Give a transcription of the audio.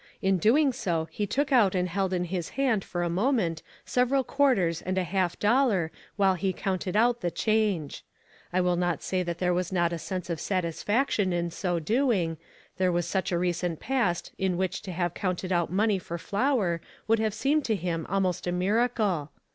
In doing so he took out and held in his hand for a mo ment several quarters and a half dollar while he counted out the change. I will not say that there was not a sense of satisfaction in so doing; there was such a recent past in which to have counted out money for flour would have seemed to him almost a miracle